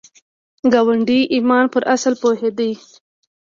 ګاندي د ايمان پر اصل پوهېده.